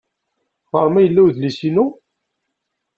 Ɣer-m ay yella udlis-inu?